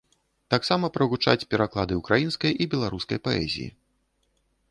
Таксама прагучаць пераклады ўкраінскай і беларускай паэзіі.